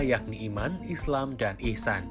yakni iman islam dan ihsan